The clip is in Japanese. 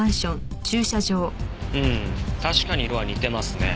うん確かに色は似てますね。